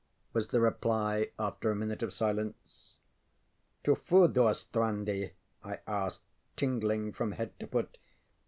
ŌĆØ was the reply, after a minute of silence. ŌĆ£To Furdurstrandi? ŌĆØ I asked, tingling from head to foot.